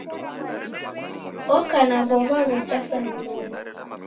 Oka na w'ow'a ghotasa milungu.